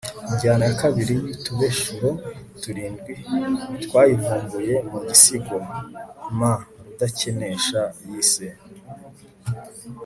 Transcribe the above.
injyana ya kabiri y'utubeshuro turindwi twayivumbuye mu gisigo m.rudakenesha yise